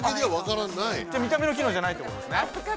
◆見た目の機能じゃないということですね。